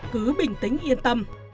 cứ bình tĩnh yên tâm